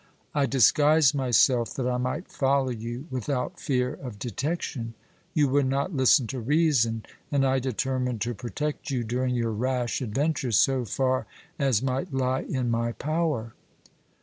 "I disguised myself that I might follow you without fear of detection. You would not listen to reason, and I determined to protect you during your rash adventure so far as might lie in my power."